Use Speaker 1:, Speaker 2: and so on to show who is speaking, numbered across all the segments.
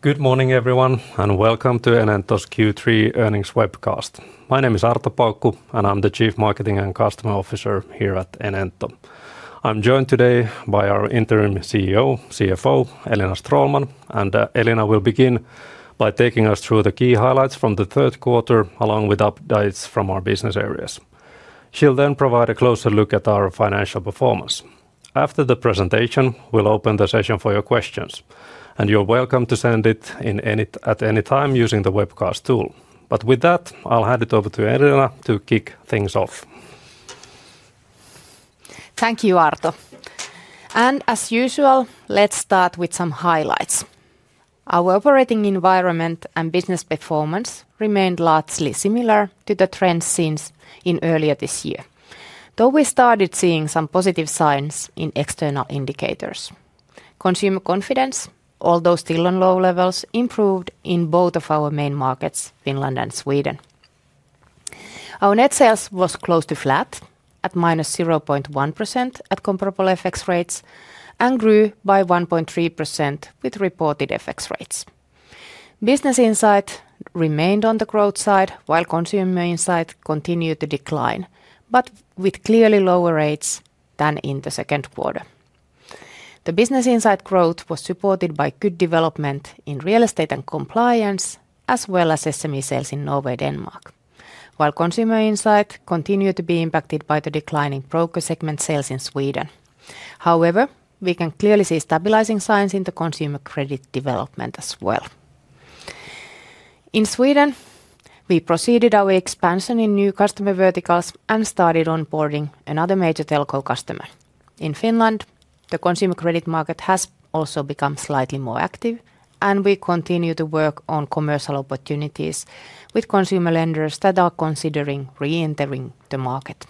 Speaker 1: Good morning, everyone, and welcome to Enento Group's Q3 earnings webcast. My name is Arto Paukku, and I'm the Chief Marketing and Customer Officer here at Enento Group. I'm joined today by our Interim CEO and CFO, Elina Stråhlman, and Elina will begin by taking us through the key highlights from the third quarter, along with updates from our business areas. She'll then provide a closer look at our financial performance. After the presentation, we'll open the session for your questions, and you're welcome to send in any at any time using the webcast tool. With that, I'll hand it over to Elina to kick things off.
Speaker 2: Thank you, Arto. As usual, let's start with some highlights. Our operating environment and business performance remained largely similar to the trends seen earlier this year, though we started seeing some positive signs in external indicators. Consumer confidence, although still on low levels, improved in both of our main markets, Finland and Sweden. Our net sales were close to flat at -0.1% at comparable FX rates and grew by 1.3% with reported FX rates. Business insight remained on the growth side, while consumer insight continued to decline, but with clearly lower rates than in the second quarter. The business insight growth was supported by good development in real estate and compliance, as well as SME sales in Norway and Denmark, while consumer insight continued to be impacted by the declining loan broker segment sales in Sweden. However, we can clearly see stabilizing signs in the consumer credit development as well. In Sweden, we proceeded with our expansion in new customer verticals and started onboarding another major telco customer. In Finland, the consumer credit market has also become slightly more active, and we continue to work on commercial opportunities with consumer lenders that are considering re-entering the market.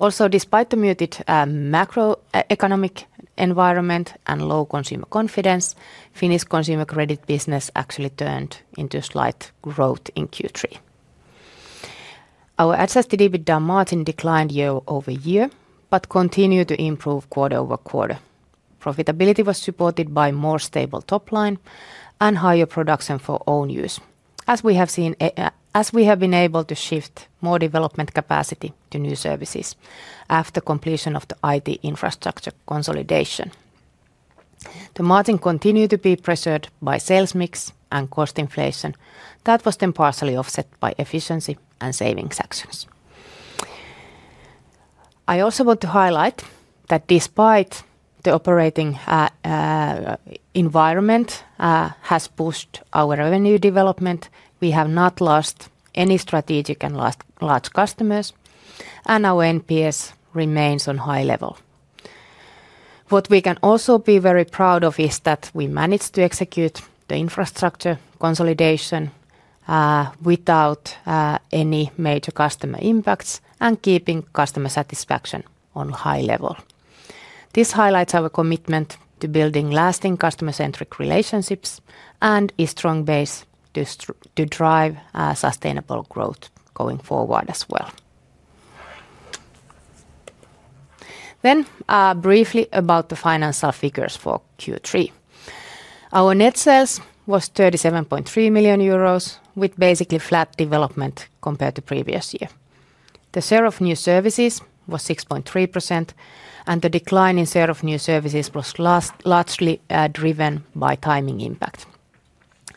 Speaker 2: Also, despite the muted macroeconomic environment and low consumer confidence, Finnish consumer credit business actually turned into slight growth in Q3. Our EBITDA margin declined year over year, but continued to improve quarter over quarter. Profitability was supported by a more stable top line and higher production for own use, as we have been able to shift more development capacity to new services after completion of the IT infrastructure consolidation. The margin continued to be preserved by sales mix and cost inflation that was then partially offset by efficiency and savings actions. I also want to highlight that despite the operating environment that has pushed our revenue development, we have not lost any strategic and large customers, and our NPS remains on a high level. What we can also be very proud of is that we managed to execute the infrastructure consolidation without any major customer impacts and keeping customer satisfaction on a high level. This highlights our commitment to building lasting customer-centric relationships and a strong base to drive sustainable growth going forward as well. Briefly about the financial figures for Q3. Our net sales were 37.3 million euros, with basically flat development compared to the previous year. The share of new services was 6.3%, and the decline in share of new services was largely driven by timing impact.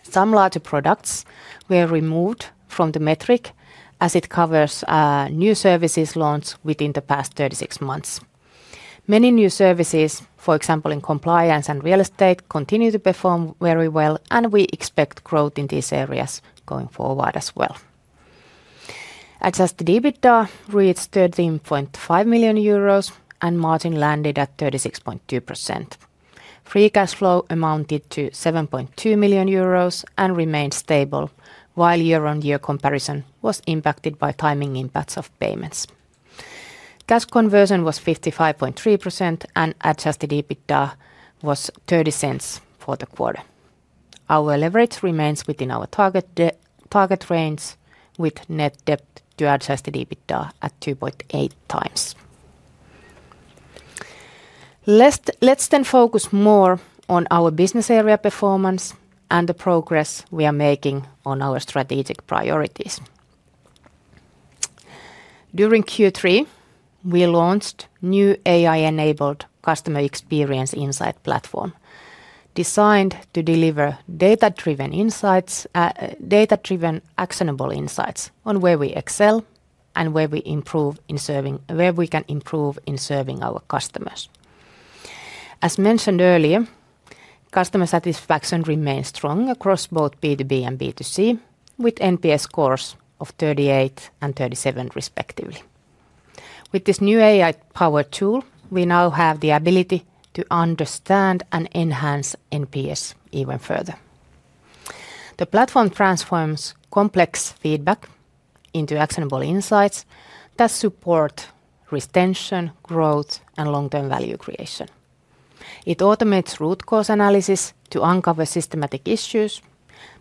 Speaker 2: Some larger products were removed from the metric, as it covers new services launched within the past 36 months. Many new services, for example, in compliance and real estate, continue to perform very well, and we expect growth in these areas going forward as well. EBITDA reached 13.5 million euros, and margin landed at 36.2%. Free cash flow amounted to 7.2 million euros and remained stable, while year-on-year comparison was impacted by timing impacts of payments. Cash conversion was 55.3%, and EBITDA was 0.30 for the quarter. Our leverage remains within our target range, with net debt to EBITDA at 2.8 times. Let's then focus more on our business area performance and the progress we are making on our strategic priorities. During Q3, we launched a new AI-enabled customer experience insight platform designed to deliver data-driven actionable insights on where we excel and where we can improve in serving our customers. As mentioned earlier, customer satisfaction remains strong across both B2B and B2C, with NPS scores of 38 and 37, respectively. With this new AI-powered tool, we now have the ability to understand and enhance NPS even further. The platform transforms complex feedback into actionable insights that support retention, growth, and long-term value creation. It automates root cause analysis to uncover systematic issues,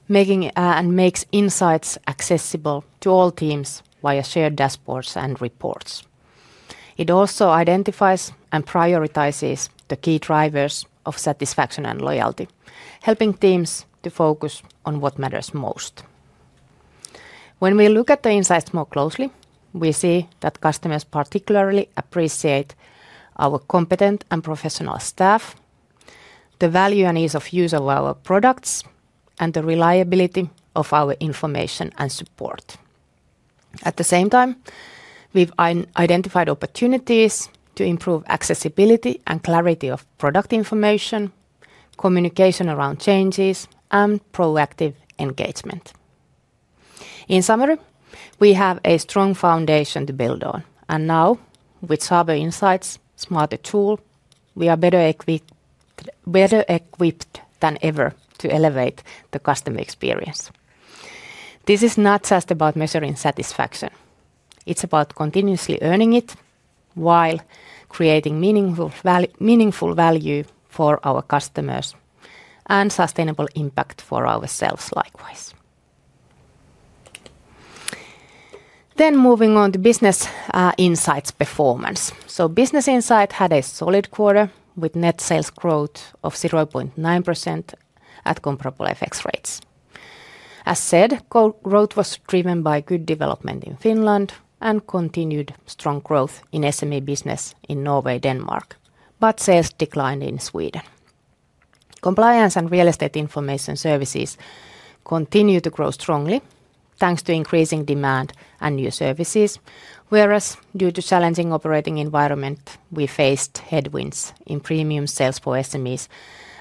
Speaker 2: and makes insights accessible to all teams via shared dashboards and reports. It also identifies and prioritizes the key drivers of satisfaction and loyalty, helping teams to focus on what matters most. When we look at the insights more closely, we see that customers particularly appreciate our competent and professional staff, the value and ease of use of our products, and the reliability of our information and support. At the same time, we've identified opportunities to improve accessibility and clarity of product information, communication around changes, and proactive engagement. In summary, we have a strong foundation to build on, and now, with AI-enabled Insights' smarter tool, we are better equipped than ever to elevate the customer experience. This is not just about measuring satisfaction; it's about continuously earning it while creating meaningful value for our customers and sustainable impact for ourselves likewise. Moving on to business insights performance, business insight had a solid quarter with net sales growth of 0.9% at comparable FX rates. As said, growth was driven by good development in Finland and continued strong growth in SME business in Norway and Denmark, but sales declined in Sweden. Compliance and real estate information services continued to grow strongly thanks to increasing demand and new services, whereas due to a challenging operating environment, we faced headwinds in premium sales for SMEs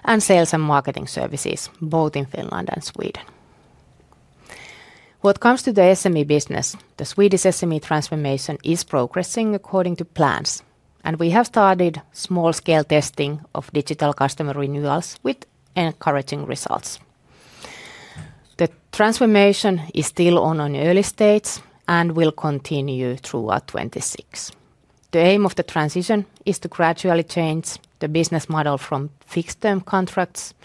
Speaker 2: and sales and marketing services, both in Finland and Sweden. Regarding the SME business, the Swedish SME transformation is progressing according to plans, and we have started small-scale testing of digital customer renewals with encouraging results. The transformation is still at an early stage and will continue throughout 2026. The aim of the transition is to gradually change the business model from fixed-term contracts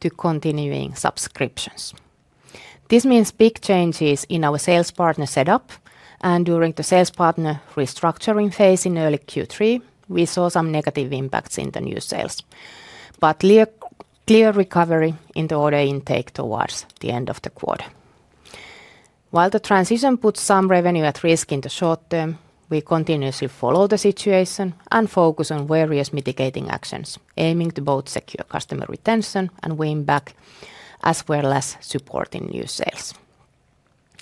Speaker 2: to continuing subscriptions. This means big changes in our sales partner setup, and during the sales partner restructuring phase in early Q3, we saw some negative impacts in the new sales, but clear recovery in the order intake towards the end of the quarter. While the transition puts some revenue at risk in the short term, we continuously follow the situation and focus on various mitigating actions, aiming to both secure customer retention and win back, as well as supporting new sales.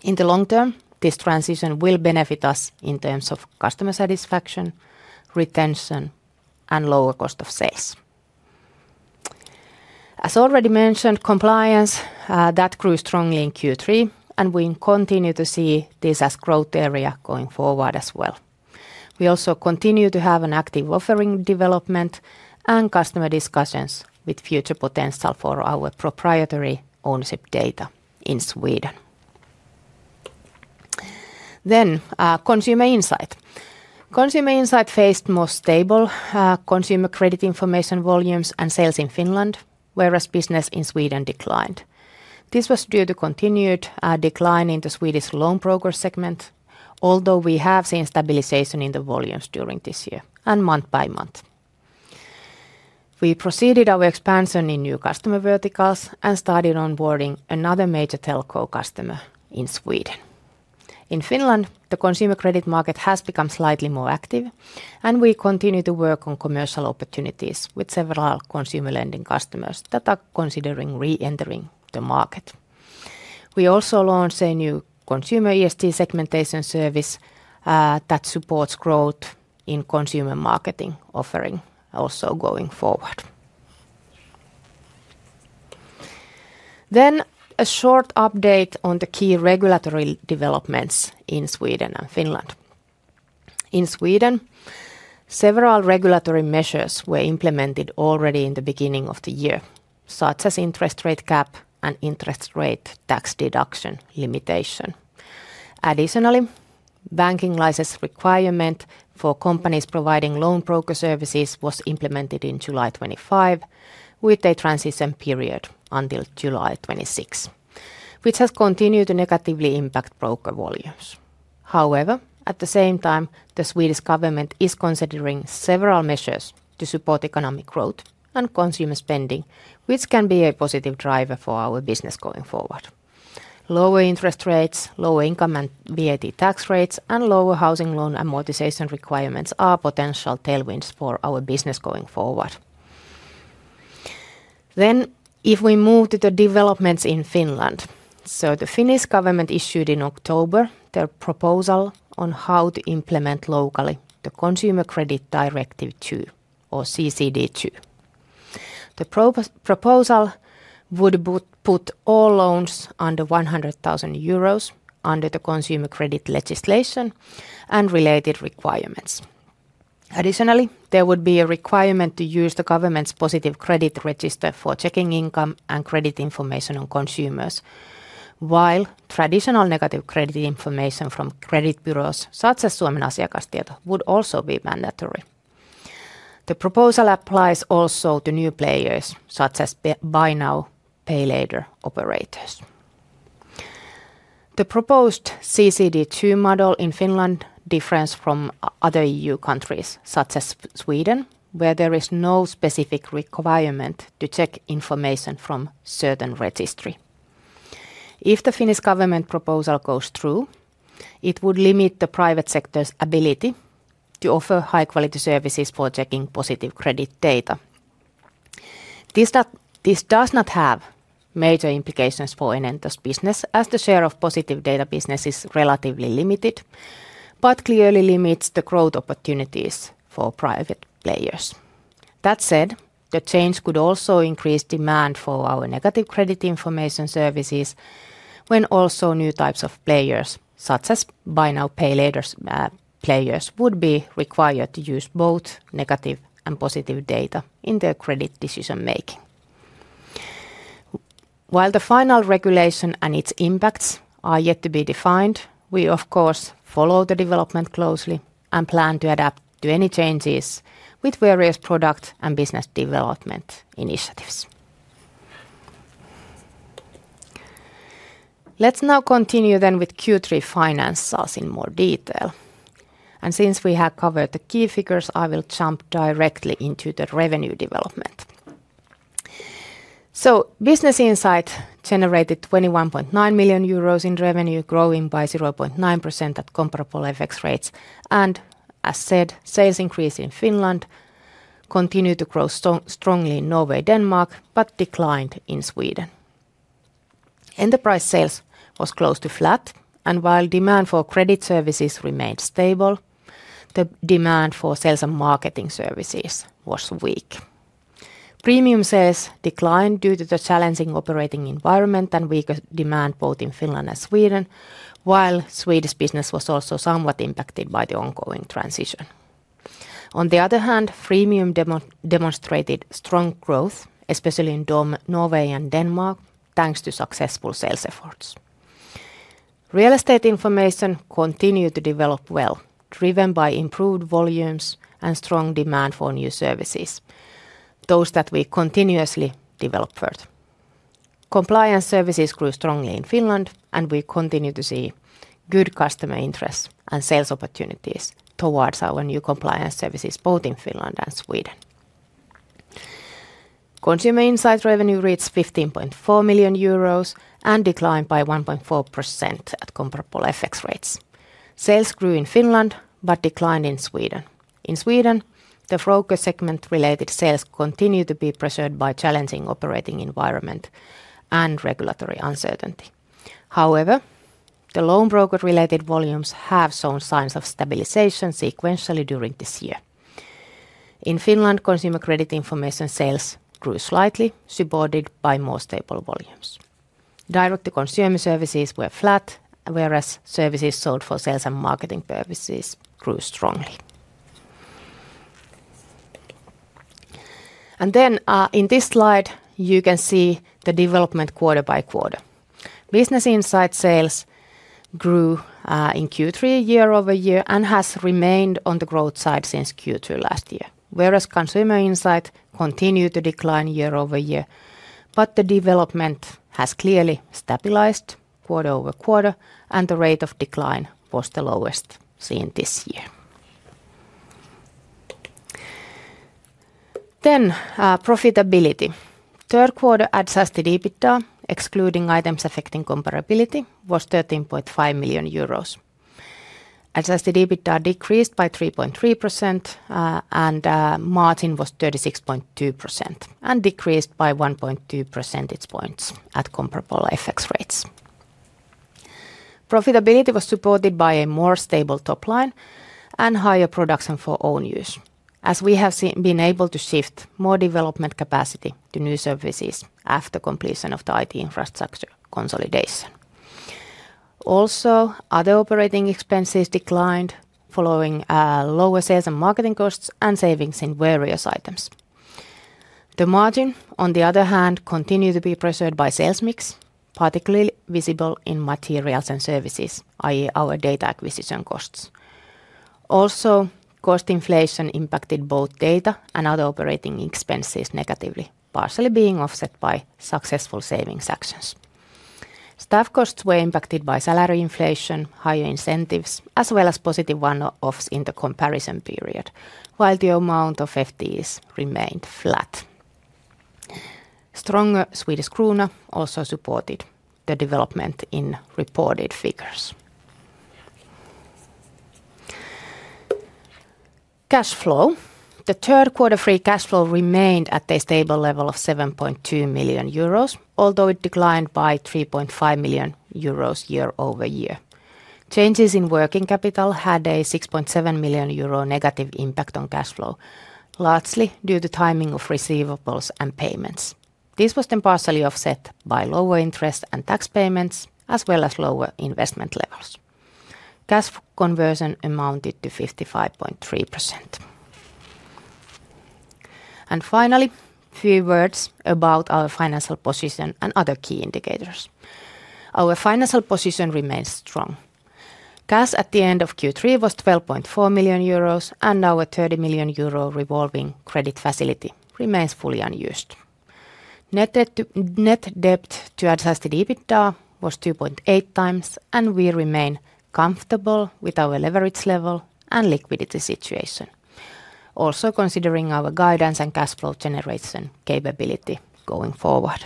Speaker 2: In the long term, this transition will benefit us in terms of customer satisfaction, retention, and lower cost of sales. As already mentioned, compliance grew strongly in Q3, and we continue to see this as a growth area going forward as well. We also continue to have an active offering development and customer discussions with future potential for our proprietary ownership data in Sweden. Consumer insight faced more stable consumer credit information volumes and sales in Finland, whereas business in Sweden declined. This was due to a continued decline in the Swedish loan broker segment, although we have seen stabilization in the volumes during this year and month by month. We proceeded with our expansion in new customer verticals and started onboarding another major telco customer in Sweden. In Finland, the consumer credit market has become slightly more active, and we continue to work on commercial opportunities with several consumer lending customers that are considering re-entering the market. We also launched a new consumer ESG segmentation service that supports growth in consumer marketing offering, also going forward. A short update on the key regulatory developments in Sweden and Finland. In Sweden, several regulatory measures were implemented already in the beginning of the year, such as interest rate cap and interest rate tax deduction limitation. Additionally, banking license requirement for companies providing loan broker services was implemented in July 2025, with a transition period until July 2026, which has continued to negatively impact broker volumes. However, at the same time, the Swedish government is considering several measures to support economic growth and consumer spending, which can be a positive driver for our business going forward. Lower interest rates, lower income and VAT tax rates, and lower housing loan amortization requirements are potential tailwinds for our business going forward. Moving to the developments in Finland, the Finnish government issued in October their proposal on how to implement locally the Consumer Credit Directive II, or CCD II. The proposal would put all loans under 100,000 euros under the consumer credit legislation and related requirements. Additionally, there would be a requirement to use the government's positive credit register for checking income and credit information on consumers, while traditional negative credit information from credit bureaus, such as Suomen Asiakastieto, would also be mandatory. The proposal applies also to new players, such as buy now, pay later operators. The proposed CCD II model in Finland differs from other EU countries, such as Sweden, where there is no specific requirement to check information from certain registries. If the Finnish government proposal goes through, it would limit the private sector's ability to offer high-quality services for checking positive credit data. This does not have major implications for Enento Group's business, as the share of positive data business is relatively limited, but clearly limits the growth opportunities for private players. That said, the change could also increase demand for our negative credit information services, when also new types of players, such as buy now, pay later operators, would be required to use both negative and positive data in their credit decision-making. While the final regulation and its impacts are yet to be defined, we, of course, follow the development closely and plan to adapt to any changes with various product and business development initiatives. Let's now continue with Q3 financials in more detail. Since we have covered the key figures, I will jump directly into the revenue development. Business insight generated 21.9 million euros in revenue, growing by 0.9% at comparable FX rates, and as said, sales increased in Finland, continued to grow strongly in Norway and Denmark, but declined in Sweden. Enterprise sales were close to flat, and while demand for credit services remained stable, the demand for sales and marketing services was weak. Premium sales declined due to the challenging operating environment and weaker demand both in Finland and Sweden, while Swedish business was also somewhat impacted by the ongoing transition. On the other hand, freemium demonstrated strong growth, especially in Norway and Denmark, thanks to successful sales efforts. Real estate information continued to develop well, driven by improved volumes and strong demand for new services, those that we continuously developed for. Compliance services grew strongly in Finland, and we continue to see good customer interest and sales opportunities towards our new compliance services, both in Finland and Sweden. Consumer insight revenue reached 15.4 million euros and declined by 1.4% at comparable FX rates. Sales grew in Finland, but declined in Sweden. In Sweden, the loan broker segment-related sales continued to be preserved by a challenging operating environment and regulatory uncertainty. However, the loan broker-related volumes have shown signs of stabilization sequentially during this year. In Finland, consumer credit information sales grew slightly, supported by more stable volumes. Direct-to-consumer services were flat, whereas services sold for sales and marketing purposes grew strongly. In this slide, you can see the development quarter by quarter. Business insight sales grew in Q3 year over year and has remained on the growth side since Q3 last year, whereas consumer insight continued to decline year over year, but the development has clearly stabilized quarter over quarter, and the rate of decline was the lowest seen this year. Profitability. Third quarter EBITDA, excluding items affecting comparability, was 13.5 million euros. EBITDA decreased by 3.3%, and margin was 36.2% and decreased by 1.2% points at comparable FX rates. Profitability was supported by a more stable top line and higher production for own use, as we have been able to shift more development capacity to new services after completion of the IT infrastructure consolidation. Also, other operating expenses declined following lower sales and marketing costs and savings in various items. The margin, on the other hand, continued to be preserved by sales mix, particularly visible in materials and services, i.e. our data acquisition costs. Also, cost inflation impacted both data and other operating expenses negatively, partially being offset by successful savings actions. Staff costs were impacted by salary inflation, higher incentives, as well as positive one-offs in the comparison period, while the amount of FTEs remained flat. Stronger Swedish krona also supported the development in reported figures. Cash flow, the third quarter free cash flow remained at a stable level of 7.2 million euros, although it declined by 3.5 million euros year over year. Changes in working capital had a 6.7 million euro negative impact on cash flow, largely due to timing of receivables and payments. This was partially offset by lower interest and tax payments, as well as lower investment levels. Cash conversion amounted to 55.3%. Finally, a few words about our financial position and other key indicators. Our financial position remains strong. Cash at the end of Q3 was 12.4 million euros, and our 30 million euro revolving credit facility remains fully unused. Net debt to EBITDA was 2.8 times, and we remain comfortable with our leverage level and liquidity situation, also considering our guidance and cash flow generation capability going forward.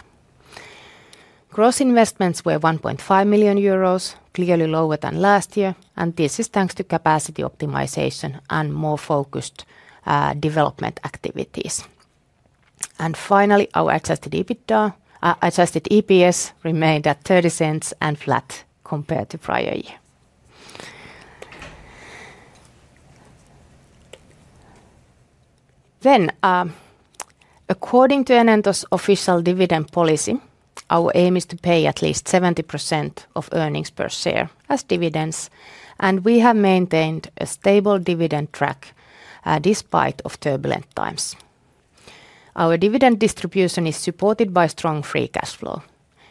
Speaker 2: Gross investments were 1.5 million euros, clearly lower than last year, and this is thanks to capacity optimization and more focused development activities. Finally, our EPS remained at 0.30 and flat compared to prior year. According to Enento Group's official dividend policy, our aim is to pay at least 70% of earnings per share as dividends, and we have maintained a stable dividend track despite turbulent times. Our dividend distribution is supported by strong free cash flow.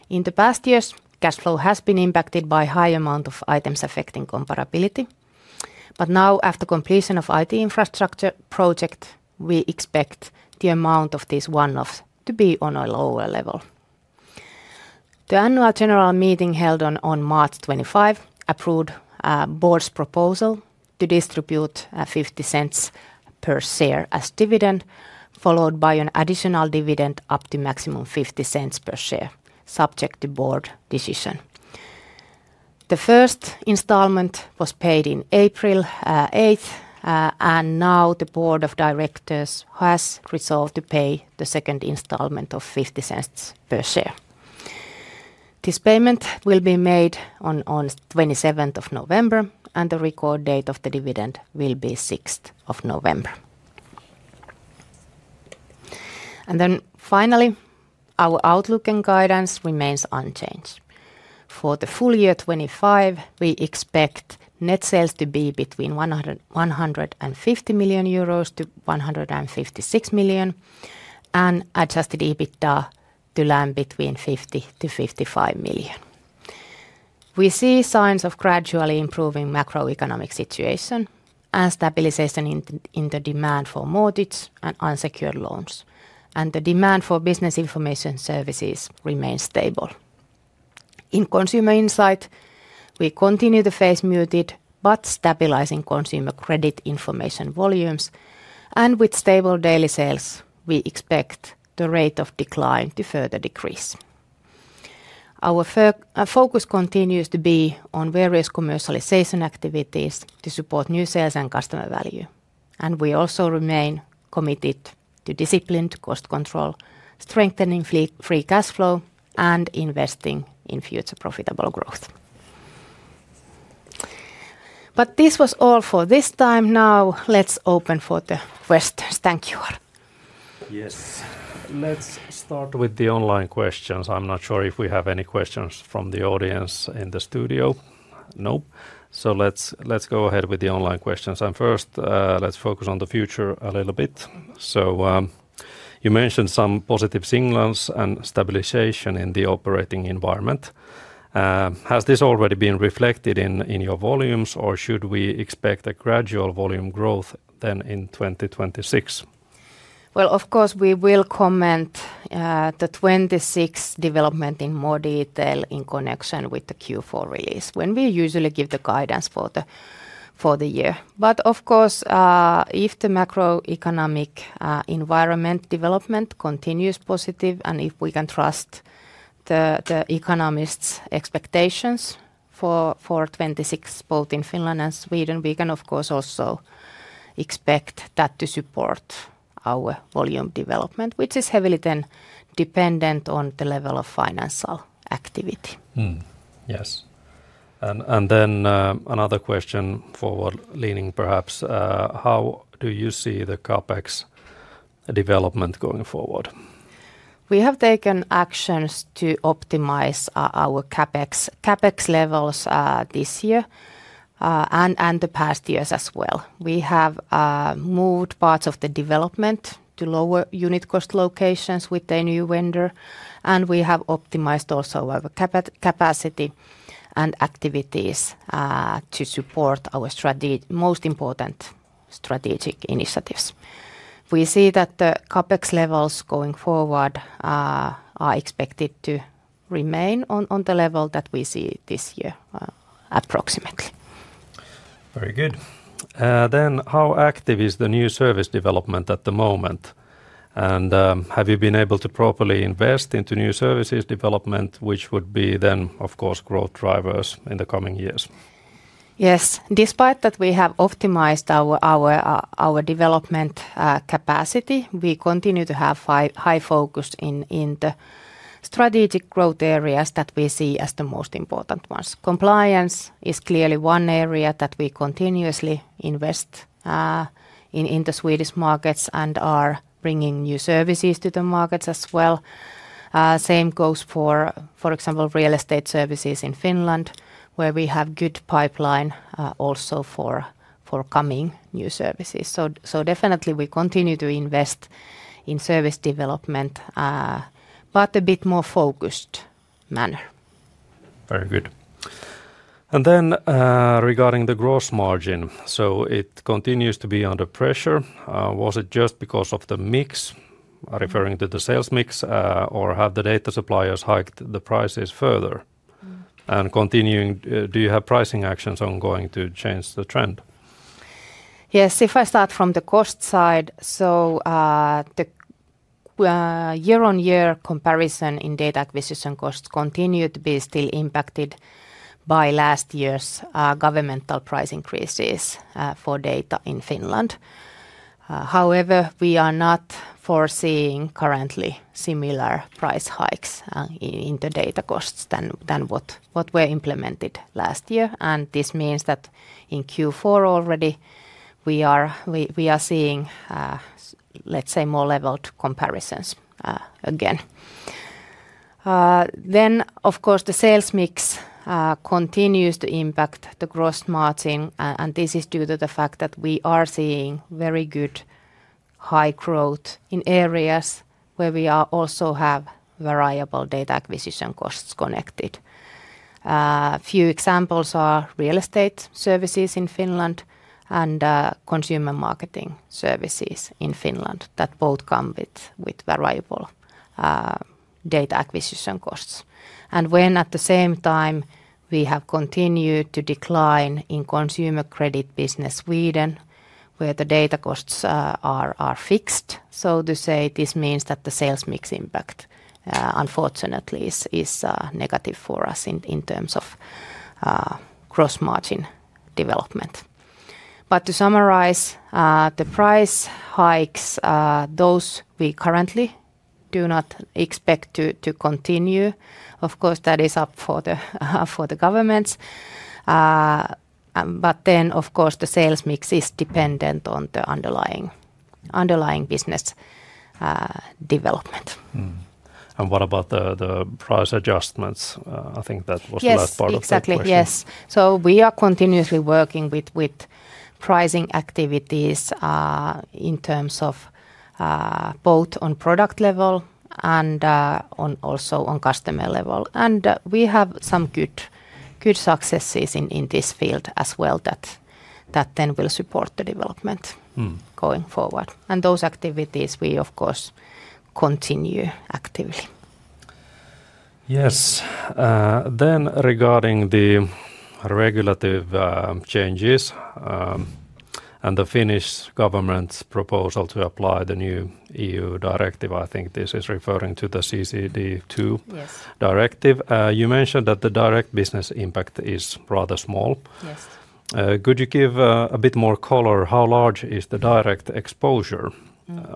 Speaker 2: In the past years, cash flow has been impacted by a high amount of items affecting comparability, but now, after completion of the IT infrastructure project, we expect the amount of these one-offs to be on a lower level. The annual general meeting held on March 25th approved the board's proposal to distribute 0.50 per share as dividend, followed by an additional dividend up to a maximum of EUR 0.50 per share, subject to board decision. The first installment was paid on April 8th, and now the board of directors has resolved to pay the second installment of 0.50 per share. This payment will be made on 27th of November, and the record date of the dividend will be 6th of November. Finally, our outlook and guidance remain unchanged. For the full year 2025, we expect net sales to be between 150 million-156 million euros, and excess to debit down to land between 50 million-55 million. We see signs of gradually improving macroeconomic situation and stabilization in the demand for mortgage and unsecured loans, and the demand for business information services remains stable. In consumer insight, we continue to face muted but stabilizing consumer credit information volumes, and with stable daily sales, we expect the rate of decline to further decrease. Our focus continues to be on various commercialization activities to support new sales and customer value, and we also remain committed to disciplined cost control, strengthening free cash flow, and investing in future profitable growth. This was all for this time. Now, let's open for the questions. Thank you, Arto.
Speaker 1: Yes, let's start with the online questions. I'm not sure if we have any questions from the audience in the studio. No, let's go ahead with the online questions. First, let's focus on the future a little bit. You mentioned some positive signals and stabilization in the operating environment. Has this already been reflected in your volumes, or should we expect a gradual volume growth in 2026?
Speaker 2: Of course, we will comment the 2026 development in more detail in connection with the Q4 release, when we usually give the guidance for the year. Of course, if the macroeconomic environment development continues positive, and if we can trust the economists' expectations for 2026, both in Finland and Sweden, we can, of course, also expect that to support our volume development, which is heavily then dependent on the level of financial activity.
Speaker 1: Yes, another question forward-leaning, perhaps. How do you see the CapEx development going forward?
Speaker 2: We have taken actions to optimize our CapEx levels this year and the past years as well. We have moved parts of the development to lower unit cost locations with a new vendor, and we have optimized also our capacity and activities to support our most important strategic initiatives. We see that the CapEx levels going forward are expected to remain on the level that we see this year, approximately.
Speaker 1: Very good. How active is the new service development at the moment, and have you been able to properly invest into new services development, which would be, of course, growth drivers in the coming years?
Speaker 2: Yes, despite that we have optimized our development capacity, we continue to have high focus in the strategic growth areas that we see as the most important ones. Compliance is clearly one area that we continuously invest in the Swedish markets and are bringing new services to the markets as well. The same goes for, for example, real estate services in Finland, where we have a good pipeline also for coming new services. We definitely continue to invest in service development, but in a bit more focused manner.
Speaker 1: Very good. Regarding the gross margin, it continues to be under pressure. Was it just because of the mix, referring to the sales mix, or have the data suppliers hiked the prices further? Do you have pricing actions ongoing to change the trend?
Speaker 2: Yes, if I start from the cost side, the year-on-year comparison in data acquisition costs continued to be still impacted by last year's governmental price increases for data in Finland. However, we are not foreseeing currently similar price hikes in the data costs than what were implemented last year, and this means that in Q4 already we are seeing, let's say, more leveled comparisons again. Of course, the sales mix continues to impact the gross margin, and this is due to the fact that we are seeing very good high growth in areas where we also have variable data acquisition costs connected. A few examples are real estate services in Finland and consumer marketing services in Finland that both come with variable data acquisition costs. When, at the same time, we have continued to decline in consumer credit business Sweden, where the data costs are fixed, so to say, this means that the sales mix impact, unfortunately, is negative for us in terms of gross margin development. To summarize, the price hikes, those we currently do not expect to continue. Of course, that is up for the governments, but the sales mix is dependent on the underlying business development.
Speaker 1: What about the price adjustments? I think that was the last part of the question.
Speaker 2: Exactly, yes. We are continuously working with pricing activities in terms of both on product level and also on customer level, and we have some good successes in this field as well that will support the development going forward. Those activities we, of course, continue actively.
Speaker 1: Yes, regarding the regulative changes and the Finnish government's proposal to apply the new EU directive, I think this is referring to the CCD II directive. You mentioned that the direct business impact is rather small.
Speaker 2: Yes.
Speaker 1: Could you give a bit more color? How large is the direct exposure?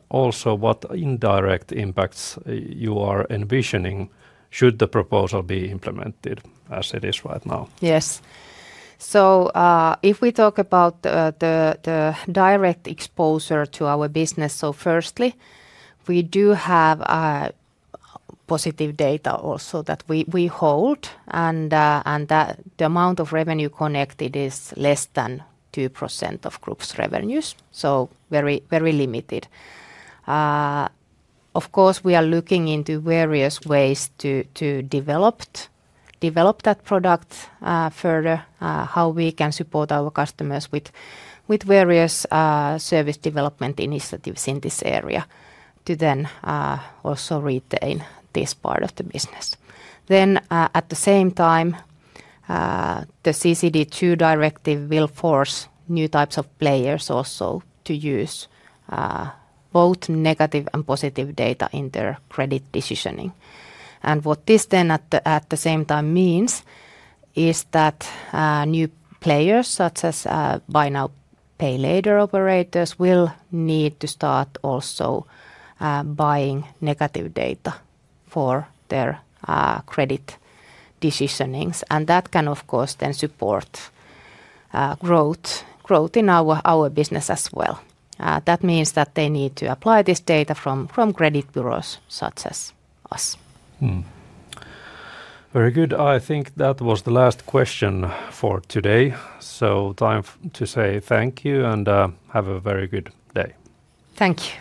Speaker 1: Also, what indirect impacts are you envisioning should the proposal be implemented as it is right now?
Speaker 2: Yes, if we talk about the direct exposure to our business, firstly, we do have positive data also that we hold, and the amount of revenue connected is less than 2% of group's revenues, so very limited. Of course, we are looking into various ways to develop that product further, how we can support our customers with various service development initiatives in this area to also retain this part of the business. At the same time, the CCD II directive will force new types of players also to use both negative and positive data in their credit decisioning. What this, at the same time, means is that new players, such as buy now, pay later operators, will need to start also buying negative data for their credit decisioning, and that can, of course, then support growth in our business as well. That means that they need to apply this data from credit bureaus such as us.
Speaker 1: Very good. I think that was the last question for today, so time to say thank you and have a very good day.
Speaker 2: Thank you.